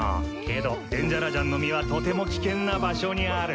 けどデンジャラジャンの実はとても危険な場所にある。